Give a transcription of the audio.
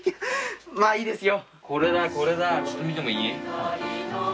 これだこれだちょっと見てもいい？